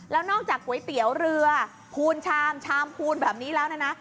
แล้วนอกจากก๋วยเตี๋ยวเรือพูนชามชามพูนแบบนี้แล้วนะ